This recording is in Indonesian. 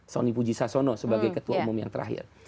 sony puji sasono sebagai ketua umum yang terakhir